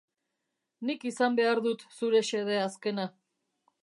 Nik izan behar dut zure xede azkena.